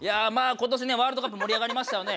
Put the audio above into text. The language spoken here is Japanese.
今年ねワールドカップ盛り上がりましたよね。